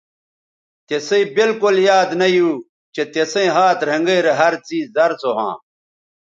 تِسئ بالکل یاد نہ یو چہء تسئیں ھات رھینگیرے ھر څیز زر سو ھواں